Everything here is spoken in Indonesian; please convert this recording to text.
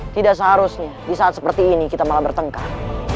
tidak seharusnya di saat seperti ini kita malah bertengkar